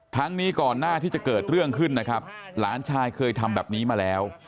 ทั้งนี้ก่อนหน้าที่จะเกิดเรื่องขึ้นนะครับหลานชายเคยทำแบบนี้มาแล้ว